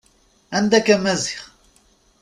Anda-k a Maziɣ.